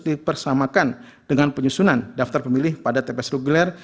dipersamakan dengan penyusunan daftar pemilih pada tps reguler